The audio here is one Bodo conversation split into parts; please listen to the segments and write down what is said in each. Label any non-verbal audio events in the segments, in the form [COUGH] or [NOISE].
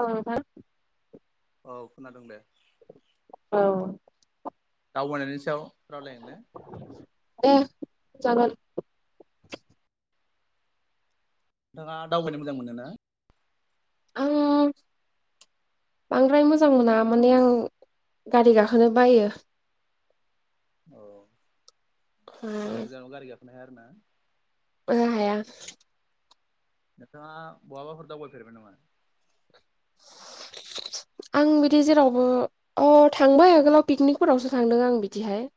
औ नोंथां। औ खोनादों दे। औ दावबायनायनि सायाव रावलायनो ने दे जागोन। नोंथाङा दावबायनो मोजां मोनो ना? आं बांद्राय मोजां मोना माने आं गारि गाखोनो बायो। अ गोजान मोजां गोजानाव गारि गाखोनो हाया आरो ना? ओहो हाया। नोंथाङा बहाबाफोर दावबायफेरबाय नामा? [INAUDIBLE] आं बिदि जेरावबो अ थांबाय आगोलाव पिकनिकफोरावसो थांदों आं बिदिहाय।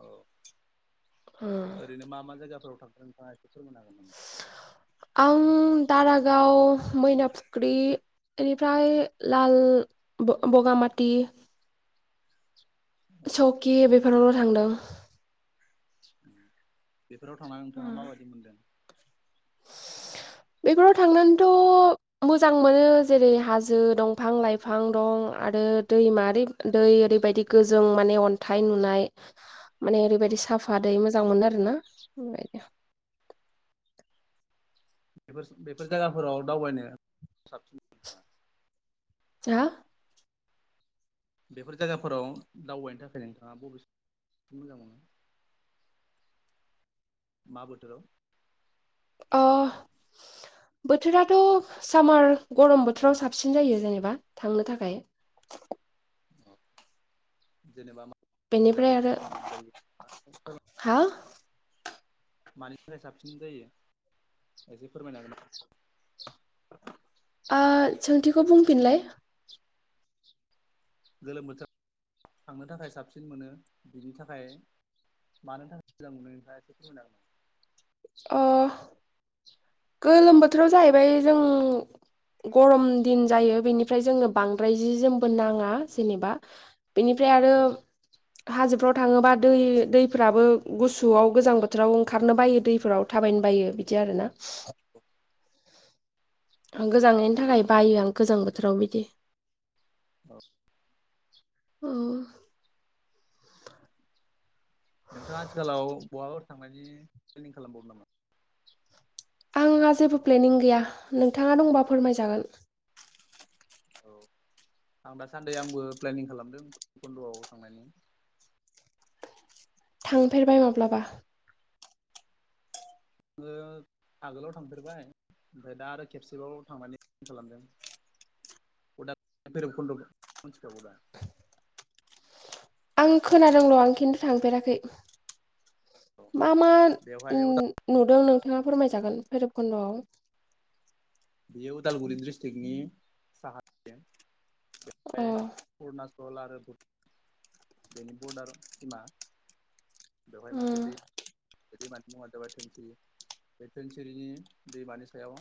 औ ओरैनो मा मा जायगाफोराव थांखो नोंथाङा एसे फोरमायनो हागोन नामा? आं दारागाव मैना फुख्रि इनिफ्राय लाल ब-बगामाति औ सकि बेफोरावल' थांदों। बेफोराव थांना नोंथाङा माबायदि मोनदों? बेफोराव थांनानैथ' मोजां मोनो जेरै हाजो दंफां लाइफां दं आरो दैमारै दै ओरैबायदि गोजों माने अन्थाइ नुनाय माने औ ओरैबायदि साफा दै मोजां मोनो आरो ना बेबादि। बेफोर बेफोर जायगाफोराव दावबायनो साबसिन [UNINTELLIGIBLE] बेफोर जायगाफोराव दावबायनो थाखाय नोंथाङा बबे साबसिन मोजां मोनो? मा बोथोराव? अ [INAUDIBLE] बोथोराथ' सामार गरम बोथोराव साबसिन जायो जेनेबा थांनो थाखाय। [INAUDIBLE] अ जेनेबा मा? बेनिफ्राय आरो हा? मानि थाखाय साबसिन जायो एसे फोरमायनो हागोन नामा? आ सोंथिखौ बुंफिनलाय। गोलोम बोथोराव थांनो थाखाय साबसिन मोनो बिनि थाखाय मानो थाखाय मोजां मोनो नोंथाङा एसे फोरमायनो हागोन? अ गोलोम बोथोराव जाहैबाय जों गरम दिन जायो बेनिफ्राय जोंनो बांद्राय जि जोमबो नाङा जेनेबा बिनिफ्राय आरो औ हाजोफ्राव थाङोबा दै दैफ्राबो गुसुआव गोजां बोथोराव ओंखारनो बायो दैफोराव थाबायनो बायो बिदि आरोना। आं गोजांनायनि थाखाय बायो आं गोजां बोथोराव बिदि। औ औ नोंथाङा आथिखालाव बहाबा थांनायनि प्लेनिं खालामबावदों नामा? आंहा जेबो प्लेनिं गैया नोंथाङा दंबा फोरमायजागोन औ आं दासान्दि आंबो प्लेनिं खालामदों कन्द'आव थांनायनि थांफेरबाय माब्लाबा? आङो आगोलाव थांफेरबाय ओमफ्राय दा आरो खेबसेबाव थांनायनि खालामदों। गद [UNINTELLIGIBLE] बैराखनदखौ मिथिखागौदा? आं खोनादोंल' आं खिन्थु थांफेराखै औ मा -मा बेवहाय उम नुदों नोंथाङा फोरमायजागोन भैरबखुन्द'आव बियो उदालगुरि डिस्ट्रिक्नि साहाथिं अ बेवहाय अरुनाचल आरो बेनि बर्डार सिमा बेवहाय मोनसे उम दै बे दैमानि मुंङानो जाबाय धोनसिरि बे धोनसिरिनि दैमानि सायाव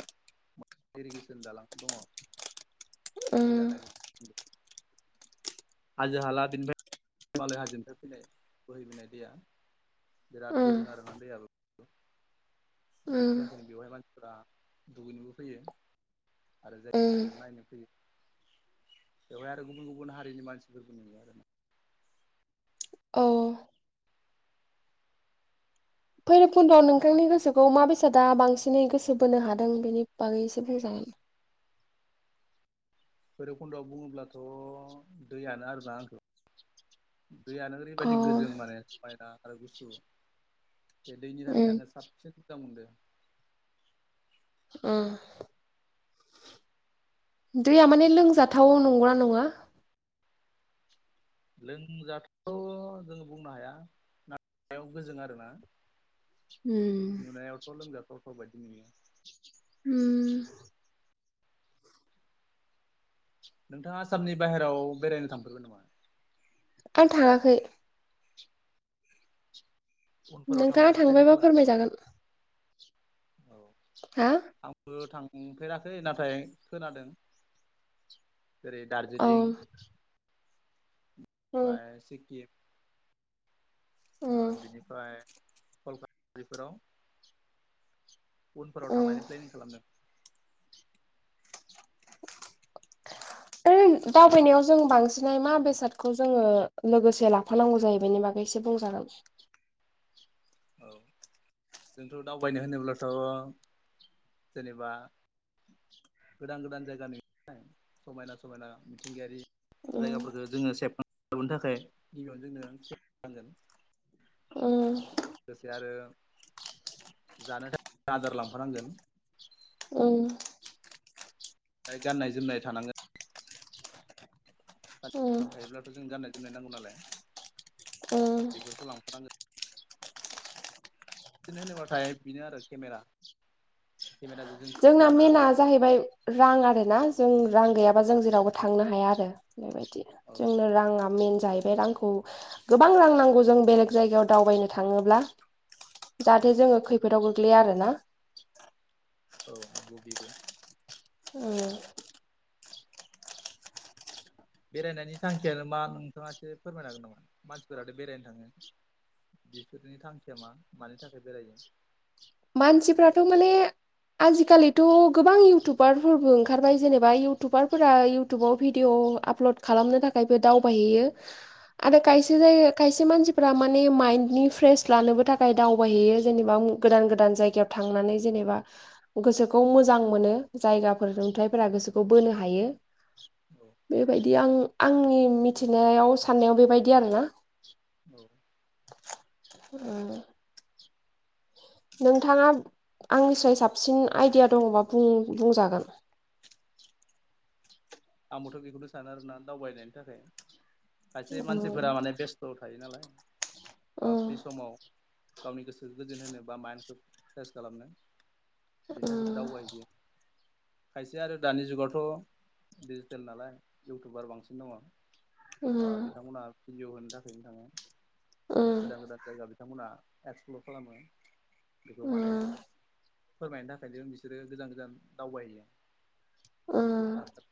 इरिगेसन दालां दङ। बे उम रान [UNINTELLIGIBLE] हाजो हाला बेनिफ्राय हिमालय हाजोनिफ्राय फैनाय बोहैबोनाय दैया बिराद उम गोजों आरोना दैयाबो बिनि उम थाखायनो बेवहाय मानसिफोरा दुगैनोबो फैयो। आरो उम जायगाखौबो नायनो फैयो। बेवहाय आरो गुबुन- गुबुन हारिनि मानसिफोरबो नुयो आरो। औ औ भैरबखुन्द'आव नोंथांनि गोसोखौ मा बेसादा बांसिनै गोसो बोनो हादों बेनि बागै एसे बुंजागोन? भैरबखुन्दआव बुङोब्लाथ' दैयानो आरोना आंखौ दैयानो अ ओरैबायदि गोजों माने समायना आरो गुसु बे दैनि थाखायनो उम आङो साब थिग-थाग मोनदों। ओं दैया माने लोंजाथाव नंगौना नङा? लोंजाथाव जोङो बुंनो हाया नाथाय सायाव गोजों आरोना। उम नुनायावथ' लोंजाथावथाव' बायदि नुयो। उम नोंथाङा आसामनि बाहेरायाव बेरायनो थांफेरबाय नामा? आं थांङाखै उनफोराव नोंथाङा थांनानै प्लेनिं थांबायबा खालामदों फोरमायजागोन औ हा आंबो थांफेराखै नाथाय खोनादों। जेरै औ दार्जिलिं उम ओमफ्राय सेकिब ओ उम बिनिफ्राय बिफोराव उनफोराव उम थांनायनि प्लेनिं खालामदों। दावबायनायाव जों बांसिनै मा बेसादखौ जोङो लोगोसे लाफानांगौ जायो बेनि बागै एसे बुंजागोन। औ जोंथ' दावबायनो होनोब्लाथ' जेनेबा गोदान-गोदान जायगा नुयोमोन आरो समायना समायना मिथिंगायारि उम जायगाफोरखौ जोङो सेबखां दिहुननो थाखाय गिबियावनो जोंनो केमेरा नांगोन। उम लोगोसे आरो जानो थाखाय आदार लांफानांगोन। ओम ओय गाननाय-जोमनाय थानांगोन। उम ाम थायोब्लाथ' जों गाननाय-जोमनाय नांगौ नालाय उम बेफोरखौ लांफानांगोन। बिदिनो होनोबाथाय बेनो आरो केमेरा। केमेराजों जों जोंना लानो मेनआ हागोन जाहैबाय रां आरोना जों रां गैयाबा जों जेरावबो थांनो हाया आरो। बेबायदि औ जोंनो रांआ मेन जाहैबाय रांखौ गोबां रां नांगौ जों बेलेग जायगायाव दावबायनो थाङोब्ला जाहाथे जोङो खै फोदआव गोग्लैया आरो ना। औ नंगौ बेबो। उम। बेरायनायनि थांखियानो मा नोंथाङा इसे फोरमायनो हागोन नामा मानसिफोरादि बेरायनो थाङो। बेफोरनि थांखिआ मा मानि थाखाय बेरायो? मानसिफ्राथ' माने आजिखालिथ' गोबां इउटुबारफोरबो ओंखारबाय जेनेबा इउटुबारफोरा इउटुबाव भिडिअ' आप ब्लड खालामनो थाखायबो दावबायहैयो [INAUDIBLE] आरो कायसे जायोगा कायसे मानसिफोरा माने माइन्दनि फ्रेस लानोबो थाखाय दावबायहैयो जेनेबा उम गोदान गोद दान जायगायाव थांनानै जेनेबा गोसोखौ मोजां मोनो जायगाफोर नुंथायफोरा गोसोखौ बोनो हायो। औ। बेबायदि आं आंनि मिथिनायाव साननायाव बेबायदि आरोना। औ। उम। नोंथाङाब आंनिसाय साबसिन आइदिया दङबा बुं बुंजागोन! आंबोथ' बेखौनो सानो आरोना दावबायनायनि थाखाय खायसे मानसिफोरा माने बेस्ट स' थायो नालाय ओ बे समाव गावनि गोसोखो गोजोन होनो बा माइनडखो फ्रेस खालामनो बिनि थाखायबो दावबाय हैैयो खायसे आरो दानि जुगआवथ' डिजिटेल नालाय इउटुबार बांसिन दङ ओ बिथांमोनहा भिदिअ होनो थाखायनो थाङो गोदान गोदान जायगा बिथांमोनहा एक्सप्लर खालामो बेखौबो माने फोरमायनो थाखायनो बिसोरो गोजान गोजान दावबायहायो आं बेखौसो थाथार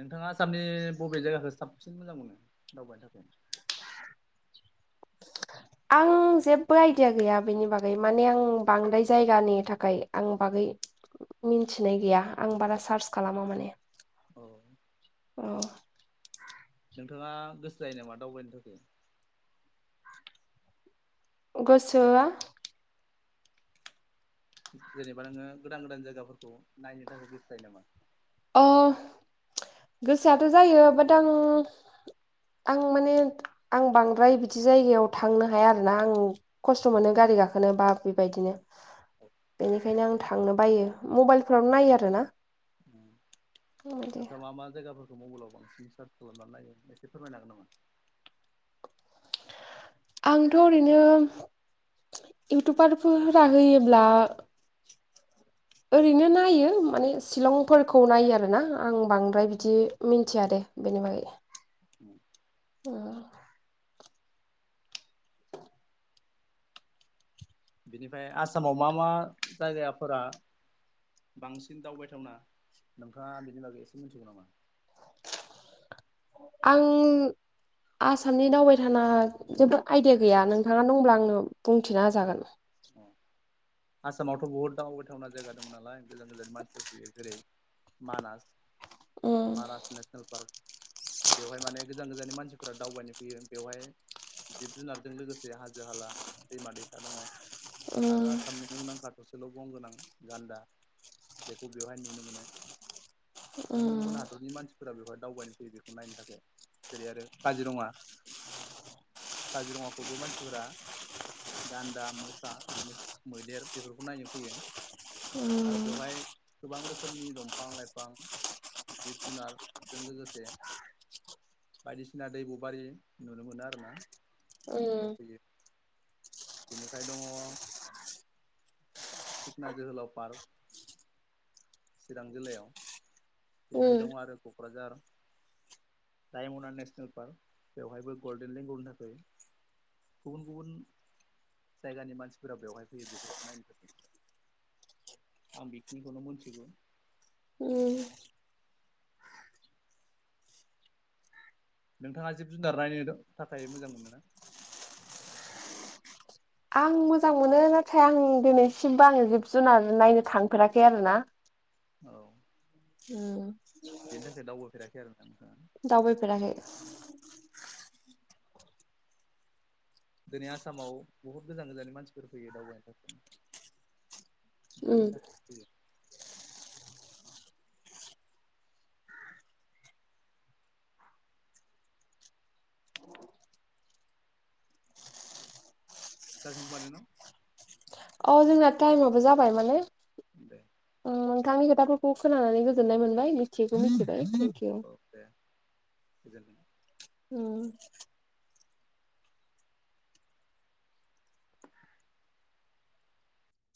नोंथाङा आसामनि बबे जायगाखौ साबसिन मोजां मोनो दावबायनो थाखाय आं जेबो आयदिया गैया बेनि बागै माने आं बांद्राय जायगानि थाखाय आं बागै मिनथिनाय गैया आं बारा सार्च खालामा माने औ। अम नोंथांआ गोसो जायो नामा दावबायनो थाखाय? गोसोआ जेनेबा नोङो गोदान गोदान जायगाफोरखौ नायनो थाखाय गोसोजायो नामा? अह गोसोआथ' जायो बाट आं। आं माने आं बांद्राय बिदि जायगायाव थांनो हाया आरोना आं खस्थ' मोनो गारि गाखोनो बा बेबायदिनो औ बेनिखायनो आं थांनो बायो मबाइलफोरावनो नायो आरोना उम बेबायदि नोंथाङा मा मा जायगाफोरखौ मबाइलआव बां सिम सार्स खालामनानैनायोन एसे फोरमायनांगोन नामा? आंथ' ओरैनो इउटुबारफोरफोरा होयोब्ला ओरैनो नायो माने शिलंफोरखौ नायो आरोना आं बांद्राय बिदि मिथिया दे बेनि बागै। उ [INAUDIBLE] बिनिफ्राय आसामाव मा मा जायगाफोरा बांसिन दावबायथावना नोंथाङा बेनि बागै एसे मिथिगौ नामा? आं आसामनि दावबायथाना जेबो आइडिया गैया, नोंथाङा दंब्ला आंनो बुंथिना हाजागोन। अ। आसामावथ' बुहुत दावबायथावना जायगा दं नालाय गोजान गोजाननि मानसिफोर फैयो, जेरै मानास मानास नेसनेल पार्क। बेवहाय माने गोजान गोजाननि मानसिफोरा दावबायनो फैयो। बेवहाय जिब जुनारजों लोगोसे हाजो हाला, दैमा दैसा दङ। ओ आरो आसामनि मुंदांखा थसेल' गं गोनां गान्दा बेखौ बेवहाय नुनो मोनो। उम गुबुन गुबुन हादरनि मानसिफोरा बेवहाय दावबायनो फैयो, बेखौ नायनो थाखाय। जेरै आरो काजिरङा काजिरङाखौबो मानसिफोरा गान्दा, मोसा बिनि मैदेर बेफोरखौ नायनो फैयो। आरो उम बेवहाय गोबां रोखोमनि दंफां लाइफां जिब जुनारजों लोगोसे बायदिसिना दैब'बारि नुनो मोनो आरो ना। उम बेफोराव फैयो। बेनिफ्राय दङ सिखना जोहोलाव पार्क चिरां जिल्लायाव। बेनिफ्राय उम दङ आरो क'क्राझार रायमना नेसनेल पार्क, बेवहायबो गल्डेन लेंगुरनि थाखाय गुबुन गुबुन जायगानि मानसिफोरा बेवहाय फैयो बेफोरखौ नायनो थाखाय, आं बेखिनिखौनो मोनथिगौ। उम। नोंथाङा जिब जुनार नायनो थाखाय मोजां मोनो ना? आं मोजां मोनो, नाथाय आं दिनैसिमबो आं जिब जुनार नायनो थांफेराखै आरोना। औ। औ। बेनि थाखाय दावबोफेराखै आरो नोंथाङा? दावबाय फेराखै। दिनै आसामाव बहुत गोजान गोजाननि मानसिफोर फैयो दावबायनो थाखाय। उम बेफोरनि थाखाय फैयो। [UNINTELLIGIBLE] न? औ जोंना टाइमाबबो जाबाय माने दे। ओम नोंथांनि खोथाफोरखौ खोनानानै गोजोननाय मोनबाय, मिथियैखौ मिथिबाय। थेंकिउ। औ दे गोजोन [UNINTELLIGIBLE] उम।